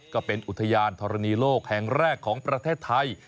ก็เป็นอุทยานธรณีโลกแห่งแรกของประเทศไทย